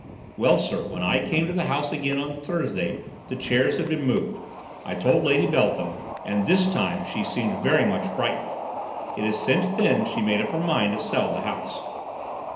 Well, sir, when I came to the house again on Thursday the chairs had been moved. I told Lady Beltham, and this time she seemed very much frightened. It is since then she made up her mind to sell the house."